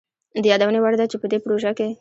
د يادوني وړ ده چي په دې پروژه کي